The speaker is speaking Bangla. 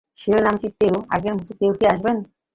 শিরোনামটিও আগের মতো-কেউ কি আসবেন?